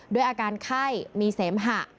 ด้วยอาการไข้มีเสมหะ